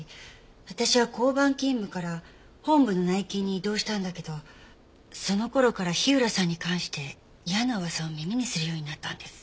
私は交番勤務から本部の内勤に異動したんだけどその頃から火浦さんに関して嫌な噂を耳にするようになったんです。